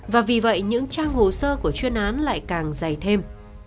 và vì vậy những trang hồ sơ của chuyên án lại càng dày thêm